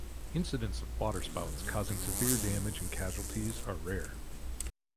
Incidents of waterspouts causing severe damage and casualties are rare.